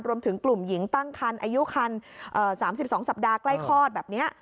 รวมถึงกลุ่มหญิงตั้งคันอายุคัน๓๒สัปดาห์ใกล้คลอดแบบนี้